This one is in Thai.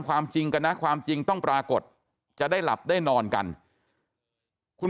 ความจริงกันนะความจริงต้องปรากฏจะได้หลับได้นอนกันคุณ